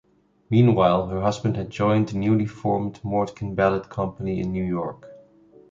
Meanwhile, her husband had joined the newly-formed Mordkin Ballet Company in New York.